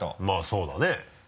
まぁそうだね。